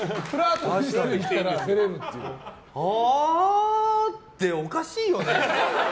はあっておかしいよね。